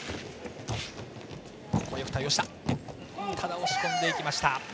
押し込んでいきました。